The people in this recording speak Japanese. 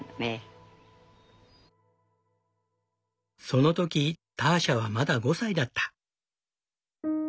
その時ターシャはまだ５歳だった。